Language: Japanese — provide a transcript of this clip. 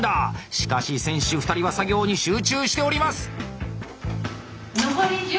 しかし選手２人は作業に集中しております。